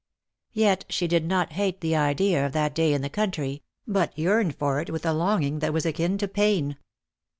Yet she did not hate the idea of that day in the country, but yearned for it with a longing that was akin to pain.